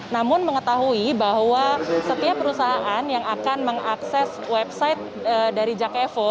namun mengetahui bahwa setiap perusahaan yang akan mengakses website dari jak evo